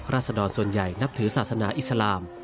ศดรส่วนใหญ่นับถือศาสนาอิสลาม